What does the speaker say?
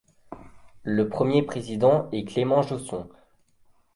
Le premier président est Clément Josson.